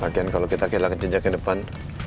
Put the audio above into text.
bagian kalau kita kehilangan jenjak yang depan